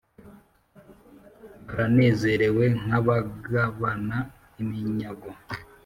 baranezerewe nk’abagabana iminyago,